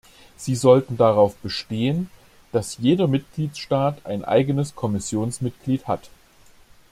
Sie sollten darauf bestehen, dass jeder Mitgliedstaat ein eigenes Kommissionsmitglied hat.